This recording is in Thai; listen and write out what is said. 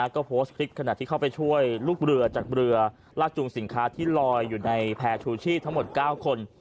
ก็โพสต์คลิปขณะที่เข้าไปช่วยลูกเรือจากเรือลากจูงสินค้าที่ลอยอยู่ในแพร่ชูชีพทั้งหมด๙คน